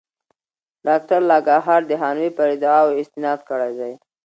ډاکټر لاکهارټ د هانوې پر ادعاوو استناد کړی دی.